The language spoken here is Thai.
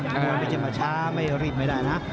มวยไม่ใช่มาช้าไม่รีบไม่ได้นะ